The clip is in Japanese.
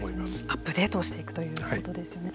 アップデートをしていくということですよね。